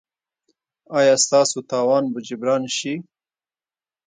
ایا ستاسو تاوان به جبران شي؟